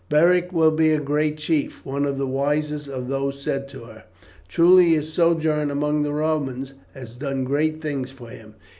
"Beric will be a great chief," one of the wisest of these said to her; "truly his sojourn among the Romans has done great things for him.